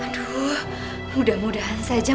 aduh mudah mudahan saja